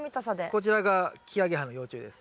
こちらがキアゲハの幼虫です。